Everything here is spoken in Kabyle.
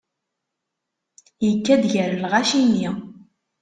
Yekka-d gar lɣaci-nni.